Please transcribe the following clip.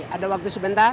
ada waktu sebentar